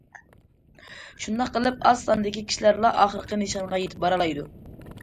شۇنداق قىلىپ ئاز ساندىكى كىشىلەرلا ئاخىرقى نىشانغا يېتىپ بارالايدۇ.